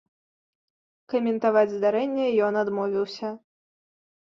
Каментаваць здарэнне ён адмовіўся.